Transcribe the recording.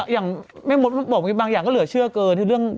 อย่างแม่มดบอกบางอย่างก็เหลือเชื่อเกิน